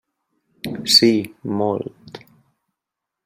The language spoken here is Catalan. Sí, molt.